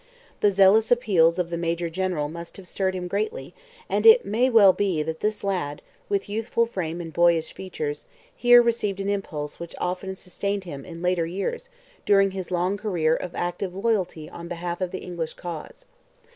The zealous appeals of the major general must have stirred him greatly, and it may well be that this lad, with youthful frame and boyish features, here received an impulse which often sustained him in later years during his long career of active loyalty on behalf of the English cause.